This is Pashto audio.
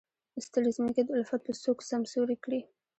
ستړې ځمکې د الفت به څوک سمسورې کړي.